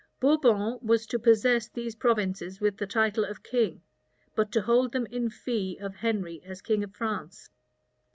Bourbon was to possess these provinces with the title of king; but to hold them in fee of Henry as king of France.